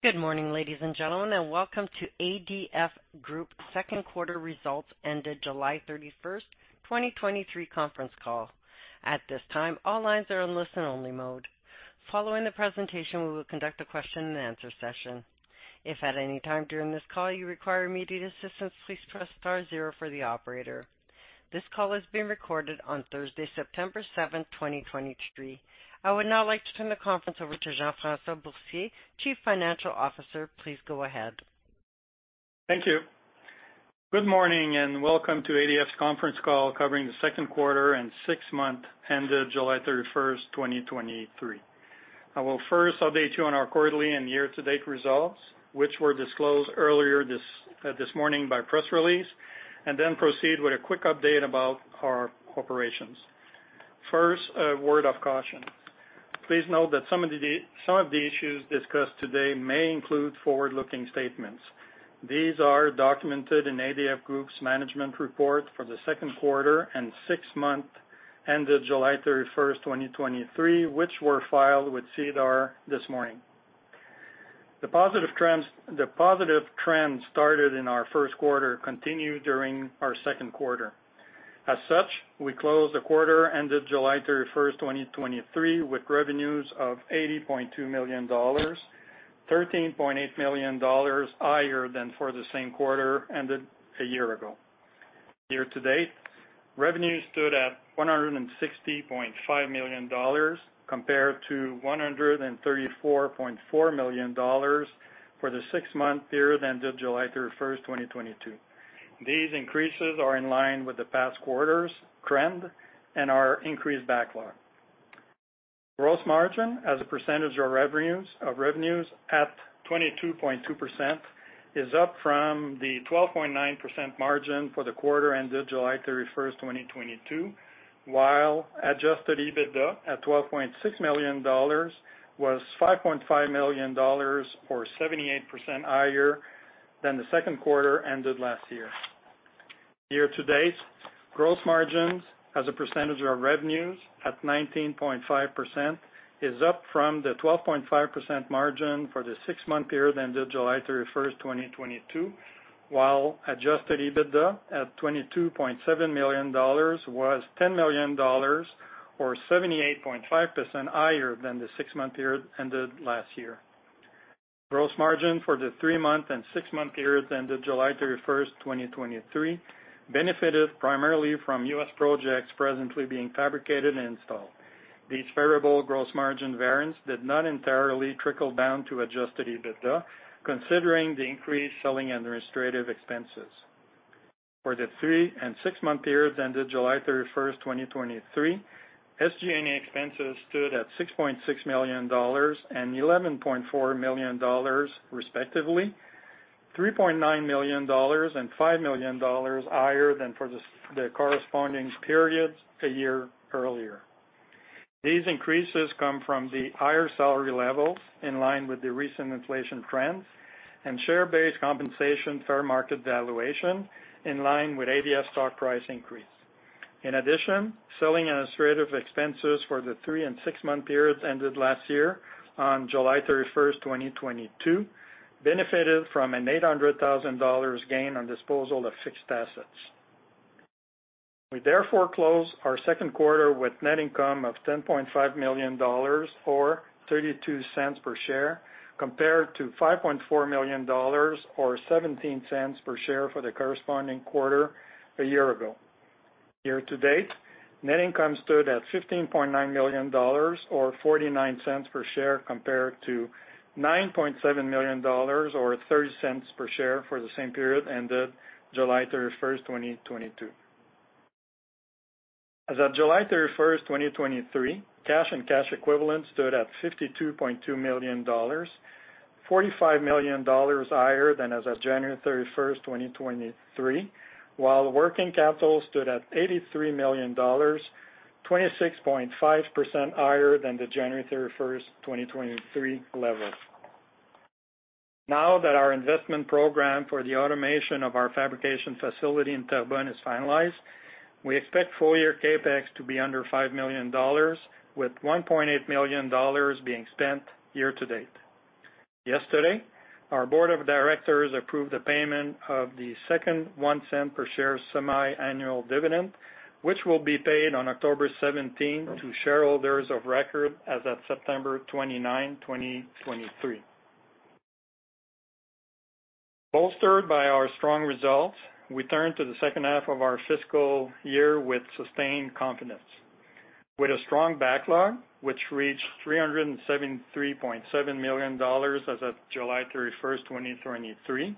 Good morning, ladies and gentlemen, and welcome to ADF Group second quarter results ended July 31st, 2023 conference call. At this time, all lines are on listen-only mode. Following the presentation, we will conduct a question-and-answer session. If at any time during this call you require immediate assistance, please press star zero for the operator. This call is being recorded on Thursday, September 7th, 2023. I would now like to turn the conference over to Jean-François Boursier, Chief Financial Officer. Please go ahead. Thank you. Good morning, and welcome to ADF's conference call covering the second quarter and six months ended July 31st, 2023. I will first update you on our quarterly and year-to-date results, which were disclosed earlier this morning by press release, and then proceed with a quick update about our operations. First, a word of caution. Please note that some of the issues discussed today may include forward-looking statements. These are documented in ADF Group's management report for the second quarter and six months ended July 31st, 2023, which were filed with SEDAR this morning. The positive trends started in our first quarter continued during our second quarter. As such, we closed the quarter ended July 31st, 2023, with revenues of 80.2 million dollars, 13.8 million dollars higher than for the same quarter ended a year ago. Year to date, revenues stood at 160.5 million dollars, compared to 134.4 million dollars for the six-month period ended July 31st, 2022. These increases are in line with the past quarters' trend and our increased backlog. Gross Margin as a percentage of revenues, of revenues at 22.2% is up from the 12.9% margin for the quarter ended July 31st, 2022, while Adjusted EBITDA at 12.6 million dollars was 5.5 million dollars or 78% higher than the second quarter ended last year. Year to date, gross margins as a percentage of revenues at 19.5% is up from the 12.5% margin for the six-month period ended July 31st, 2022, while Adjusted EBITDA at 22.7 million dollars was 10 million dollars or 78.5% higher than the six-month period ended last year. Gross margin for the three-month and six-month periods ended July 31st, 2023, benefited primarily from US projects presently being fabricated and installed. These variable gross margin variances did not entirely trickle down to Adjusted EBITDA, considering the increased selling and administrative expenses. For the three and six-month periods ended July 31st, 2023, SG&A expenses stood at 6.6 million dollars and 11.4 million dollars, respectively, 3.9 million dollars and 5 million dollars higher than for the corresponding periods a year earlier. These increases come from the higher salary levels in line with the recent inflation trends and share-based compensation fair market valuation in line with ADF stock price increase. In addition, selling administrative expenses for the three and six-month periods ended last year on July 31st, 2022, benefited from a 800,000 dollars gain on disposal of fixed assets. We therefore closed our second quarter with net income of 10.5 million dollars or 0.32 per share, compared to 5.4 million dollars or 0.17 per share for the corresponding quarter a year ago. Year-to-date, net income stood at 15.9 million dollars or 0.49 per share, compared to 9.7 million dollars or 0.30 per share for the same period ended July 31st, 2022. As of July 31st, 2023, cash and cash equivalents stood at $52.2 million, $45 million higher than as of January 31st, 2023, while working capital stood at $83 million, $26.5 million higher than the January 31st, 2023 level. Now that our investment program for the automation of our fabrication facility in Terrebonne is finalized, we expect full-year CapEx to be under $5 million, with $1.8 million being spent year to date. Yesterday, our board of directors approved the payment of the second $0.01 per share semi-annual dividend, which will be paid on October 17th to shareholders of record as of September 29th, 2023. Bolstered by our strong results, we turn to the second half of our fiscal year with sustained confidence. With a strong backlog, which reached 373.7 million dollars as of July 31st, 2023,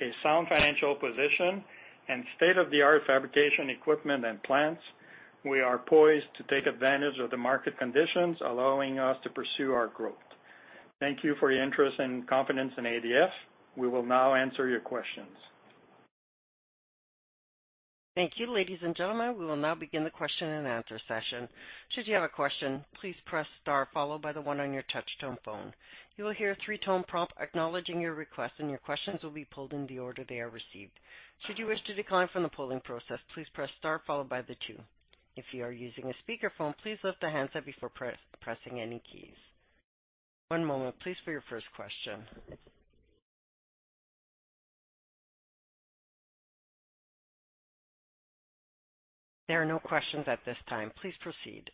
a sound financial position and state-of-the-art fabrication equipment and plants, we are poised to take advantage of the market conditions, allowing us to pursue our growth. Thank you for your interest and confidence in ADF. We will now answer your questions. Thank you. Ladies and gentlemen, we will now begin the question and answer session. Should you have a question, please press star, followed by the one on your touch-tone phone. You will hear a three-tone prompt acknowledging your request, and your questions will be pulled in the order they are received. Should you wish to decline from the polling process, please press star followed by the two. If you are using a speakerphone, please lift the handset before pressing any keys. One moment, please, for your first question. There are no questions at this time. Please proceed.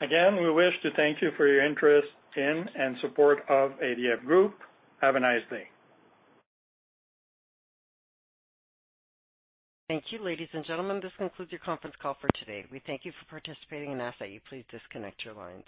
Again, we wish to thank you for your interest in and support of ADF Group. Have a nice day. Thank you. Ladies and gentlemen, this concludes your conference call for today. We thank you for participating and ask that you please disconnect your lines.